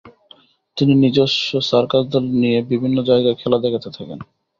তিনি নিজস্ব সার্কাস দল নিয়ে বিভিন্ন জায়্গায় খেলা দেখাতে থাকেন।